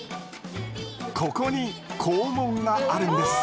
ここに肛門があるんです。